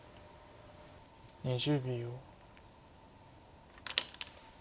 ２０秒。